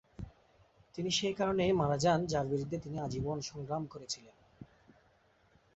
তিনি সেই কারণেই মারা যান যার বিরুদ্ধে তিনি আজীবন সংগ্রাম করেছিলেন।